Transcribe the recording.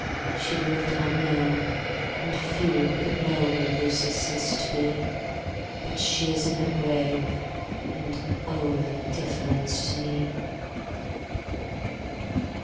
She lived unknown, and few could know When Lucy ceased to be; 10 But she is in her grave, and, oh, The difference to me!